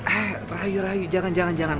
eh rahayu rahayu jangan jangan jangan